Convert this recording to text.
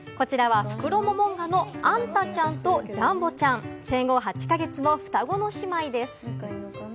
こちらはフクロモモンガのあんたちゃんと、ジャンボちゃん、生後８か月の双子の姉妹です。